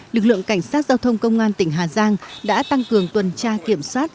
lực lượng cảnh sát giao thông công an tỉnh hà giang đã tăng cường tuần tra kiểm soát